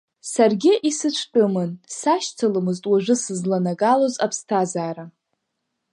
Саргьы исыцәтәымын, сашьцыламызт уажәы сызланагалоз аԥсҭазаара.